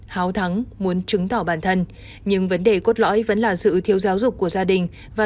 háo muốn chứng tỏ bản thân nhưng vấn đề cốt lõi vẫn là sự thiếu giáo dục của gia đình và